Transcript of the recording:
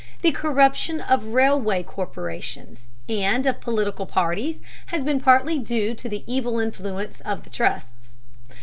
The corruption of railway corporations and of political parties has been partly due to the evil influence of the trusts.